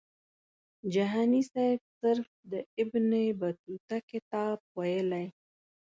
جهاني سیب صرف د ابن بطوطه کتاب ویلی.